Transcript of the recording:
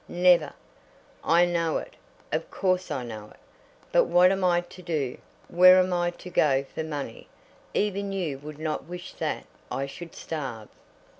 "Never." "I know it. Of course I know it. But what am I to do? Where am I to go for money? Even you would not wish that I should starve?"